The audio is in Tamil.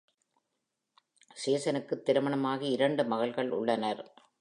ஜேசனுக்கு திருமணமாகி இரண்டு மகள்கள் உள்ளனர்.